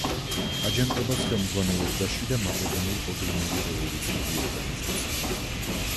აჯანყებას ხელმძღვანელობდა შიდა მაკედონურ-ოდრინული რევოლუციური ორგანიზაცია.